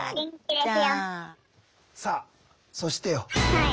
さあそしてよ。